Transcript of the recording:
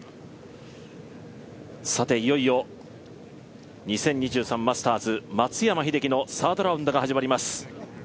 いよいよ２０２３マスターズ、松山英樹のサードラウンドが始まります。